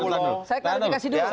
mulai dari reklama si kapung pulau